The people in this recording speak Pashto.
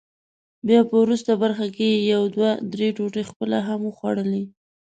بیا په وروست برخه کې یې یو دوه درې ټوټې خپله هم وخوړلې.